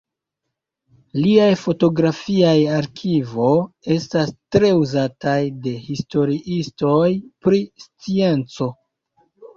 Liaj fotografiaj arkivo estas tre uzataj de historiistoj pri scienco.